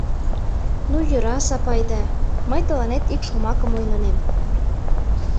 Ну йӧра, Сапайда, мый тыланет ик шомакым ойлынем.